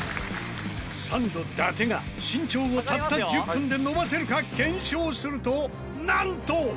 サンド伊達が身長をたった１０分で伸ばせるか検証するとなんと。